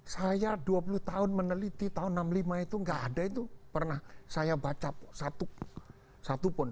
saya dua puluh tahun meneliti tahun enam puluh lima itu tidak ada itu pernah saya baca satu pun